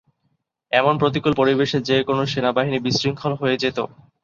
এমন প্রতিকূল পরিবেশে যে কোনো সেনাবাহিনী বিশৃঙ্খল হয়ে যেতো।